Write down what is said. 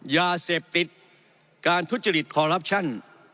ยาเสพติดการทุจจฤทธิ์คอรับชัน